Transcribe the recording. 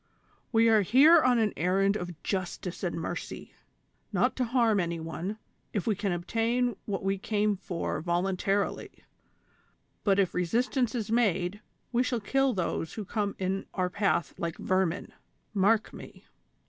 We are here on an errand of justice and mercy. Not to harm any one, if we can obtain what we came for voluntarily ; but if re sistance is made, we shall kill those who come in our path like vermin ; mark me